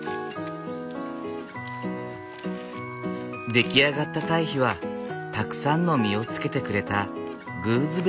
出来上がった堆肥はたくさんの実をつけてくれたグーズベリーの木へ。